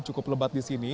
cukup lebat di sini